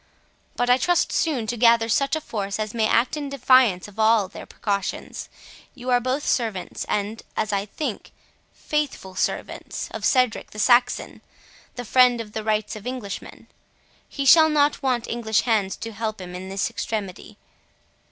But I trust soon to gather such a force, as may act in defiance of all their precautions; you are both servants, and, as I think, faithful servants, of Cedric the Saxon, the friend of the rights of Englishmen. He shall not want English hands to help him in this extremity.